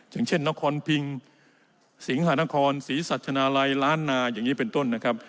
อย่างเช่นนครพิงสิงหานครศรีสัชนาลัยล้านนาอย่างนี้เป็นต้นนะครับ